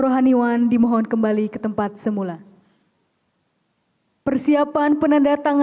dengan seluruh seluruhnya serta berbakti kepada nusa dan bangsa